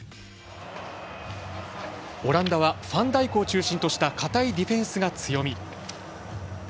オランダはファンダイクを中心とした堅いディフェンスが強み。